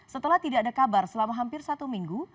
setelah tidak ada kabar selama hampir satu minggu